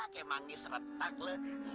kayak manggis retak lo